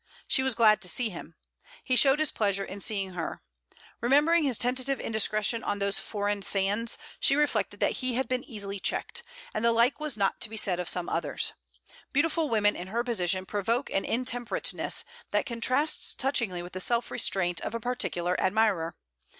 She was glad to see him. He showed his pleasure in seeing her. Remembering his tentative indiscretion on those foreign sands, she reflected that he had been easily checked: and the like was not to be said of some others. Beautiful women in her position provoke an intemperateness that contrasts touchingly with the self restraint of a particular admirer.